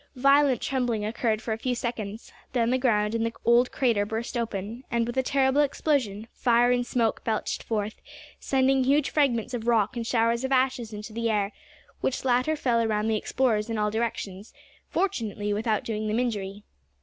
Violent trembling occurred for a few seconds; then the ground in the old crater burst open, and, with a terrible explosion, fire and smoke belched forth, sending huge fragments of rock and showers of ashes into the air, which latter fell around the explorers in all directions fortunately without doing them injury.